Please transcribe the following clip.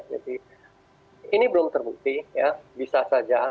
jadi ini belum terbukti ya bisa saja